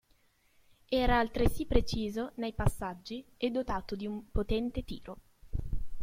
Era altresì preciso nei passaggi e dotato di un potente tiro.